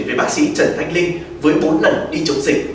về bác sĩ trần thanh linh với bốn lần đi chống dịch